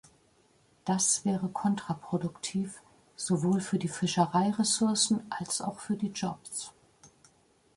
Das wäre kontraproduktiv, sowohl für die Fischereiressourcen als auch für die Jobs.